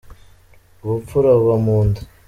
Ubupfura buba munda.